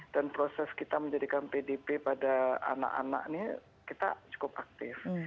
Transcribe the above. dan proses kita menjadikan pdp pada anak anak ini kita cukup aktif